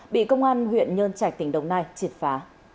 bị công an huyện nhân trạch tỉnh đồng nai triệt phá